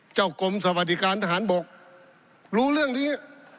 กรมสวัสดิการทหารบกรู้เรื่องนี้